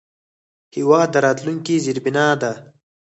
هېواد د راتلونکي زیربنا ده.